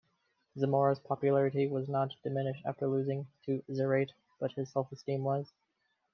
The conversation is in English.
Zamora's popularity was not diminished after losing to Zarate, but his self-esteem was.